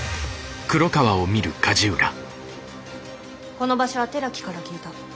この場所は寺木から聞いた。